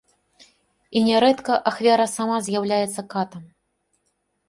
І нярэдка ахвяра сама з'яўляецца катам.